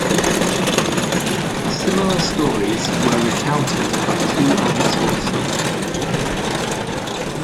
Similar stories were recounted by two other sources.